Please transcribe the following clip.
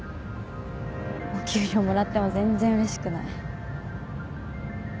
お給料もらっても全然うれしくない